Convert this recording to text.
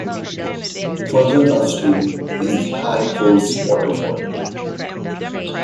Further upstream is the High Force waterfall.